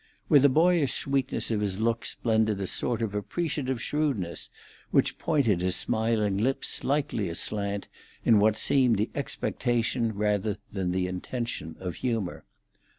With the boyish sweetness of his looks blended a sort of appreciative shrewdness, which pointed his smiling lips slightly aslant in what seemed the expectation rather than the intention of humour.